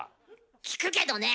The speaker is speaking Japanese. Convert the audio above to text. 聞くけどね！